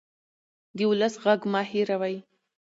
د ولس غږ مه هېروئ